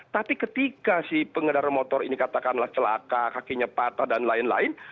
tapi ketika si pengendara motor ini katakanlah celaka kakinya patah dan lain lain